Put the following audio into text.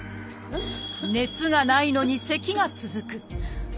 熱がないのにせきが続く。